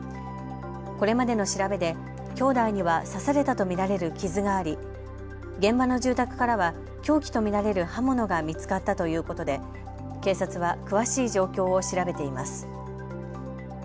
これまでの調べで兄弟には刺されたと見られる傷があり現場の住宅からは凶器と見られる刃物が見つかったということで警察は詳しい状況を調べています。